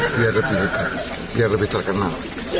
biar lebih terkenal